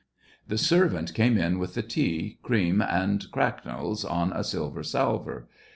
The servant came in with the tea, cream, and cracknels on a silver salver.